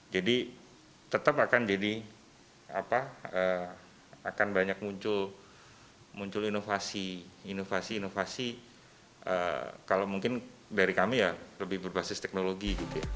jadi tetap akan banyak muncul inovasi inovasi inovasi kalau mungkin dari kami lebih berbasis teknologi